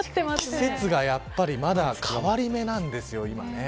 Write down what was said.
季節がやっぱりまだ変わり目なんですよ、今ね。